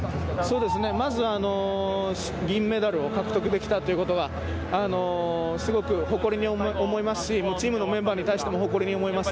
まずは銀メダルを獲得できたということは、すごく誇りに思いますし、チームのメンバーに対しても、誇りに思います。